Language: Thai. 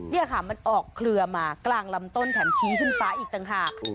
นี่ค่ะมันออกเครือมากลางลำต้นแถมชี้ขึ้นฟ้าอีกต่างหาก